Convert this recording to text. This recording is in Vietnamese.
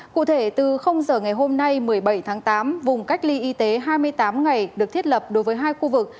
cụ thể từ giờ ngày hôm nay một mươi bảy tháng tám vùng cách ly y tế hai mươi tám ngày được thiết lập đối với hai khu vực